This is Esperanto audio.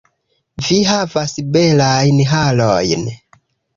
Vi havas belajn harojn